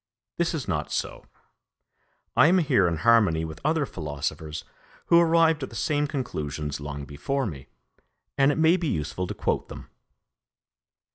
This is not so. I am here in harmony with other philosophers who arrived at the same conclusions long before me, and it may be useful to quote them.